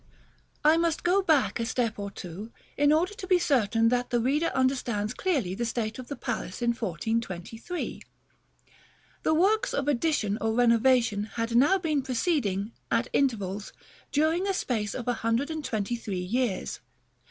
I must go back a step or two, in order to be certain that the reader understands clearly the state of the palace in 1423. The works of addition or renovation had now been proceeding, at intervals, during a space of a hundred and twenty three years.